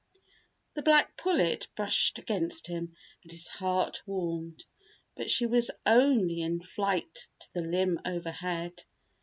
The black pullet brushed against him and his heart warmed—but she was only enflight to the limb overhead.